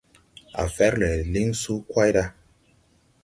A fer le liŋ suu kway ɗa.